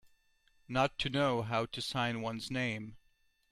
Not to know how to sign one's name.